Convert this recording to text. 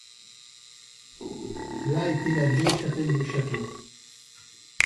Là était la vieille chapelle du château.